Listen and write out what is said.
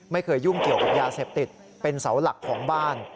ยุ่งเกี่ยวกับยาเสพติดเป็นเสาหลักของบ้าน